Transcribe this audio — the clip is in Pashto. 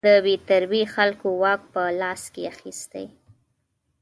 د بې تربیې خلکو واک په لاس کې اخیستی.